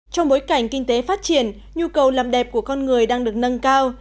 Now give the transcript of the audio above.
trong bối cảnh kinh tế phát triển nhu cầu làm đẹp của con người đang được nâng cao